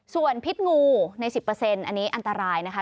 ส่วนพิษงูใน๑๐เปอร์เซ็นต์อันนี้อันตรายนะคะ